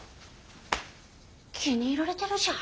気に入られてるじゃん。